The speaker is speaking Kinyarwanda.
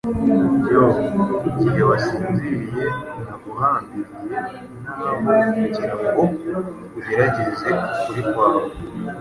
Yoo, igihe wasinziriye, naguhambiriye nabo kugira ngo ugerageze ukuri kwawe,